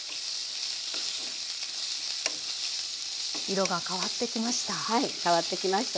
色が変わってきました。